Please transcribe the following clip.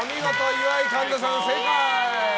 岩井、神田さん、正解！